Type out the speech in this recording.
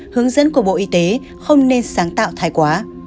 hướng dẫn của bộ y tế không nên sáng tạo thay quá